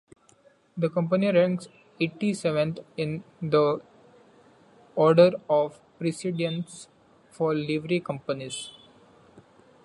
The Company ranks eighty-seventh in the order of precedence for Livery Companies.